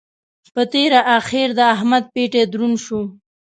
په تېره اخېر د احمد پېټی دروند شو.